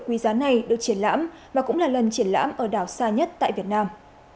quý giá này được triển lãm và cũng là lần triển lãm ở đảo xa nhất tại việt nam